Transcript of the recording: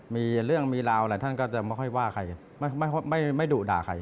มีเรื่องมีราวอะไรท่านก็จะไม่ค่อยว่าใครไม่ดุด่าใคร